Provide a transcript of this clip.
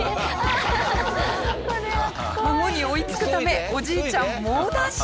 孫に追いつくためおじいちゃん猛ダッシュ。